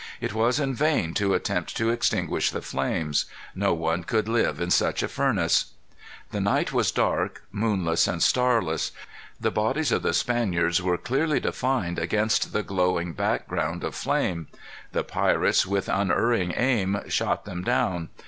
It was in vain to attempt to extinguish the flames. No one could live in such a furnace. The night was dark, moonless and starless. The bodies of the Spaniards were clearly defined against the glowing background of flame. The pirates, with unerring aim, shot them down.